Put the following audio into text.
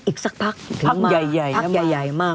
อีกสักพักใหญ่น้ำใหญ่มาก